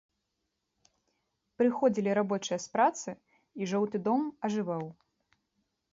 Прыходзілі рабочыя з працы, і жоўты дом ажываў.